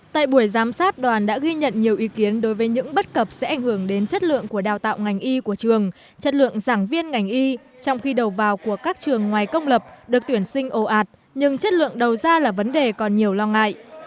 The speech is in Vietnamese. tại buổi giám sát đoàn đã ghi nhận nhiều ý kiến đối với những bất cập sẽ ảnh hưởng đến chất lượng của đào tạo ngành y của trường chất lượng giảng viên ngành y trong khi đầu vào của các trường ngoài công lập được tuyển sinh ồ ạt nhưng chất lượng đầu ra là vấn đề còn nhiều lo ngại